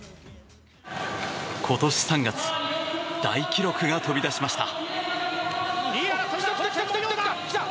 今年３月、大記録が飛び出しました。